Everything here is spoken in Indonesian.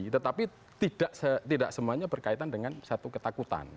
tetapi tidak semuanya berkaitan dengan satu ketakutan